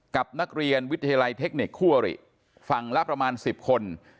กับนักเรียนวิทยาลัยเทคนิคคู่อริฝั่งละประมาณ๑๐คน